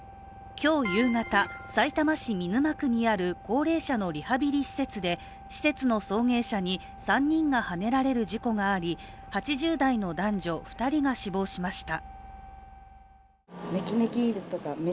今日夕方、さいたま市見沼区にある高齢者のリハビリ施設で施設の送迎車に３人がはねられる事故があり８０代の男女２人が死亡しました。